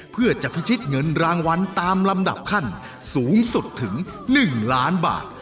เพื่อจะพิชิตเงินรางวัลตามลำดับขั้นสูงสุดถึง๑ล้านบาท